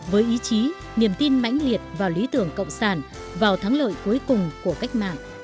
với ý chí niềm tin mãnh liệt vào lý tưởng cộng sản vào thắng lợi cuối cùng của cách mạng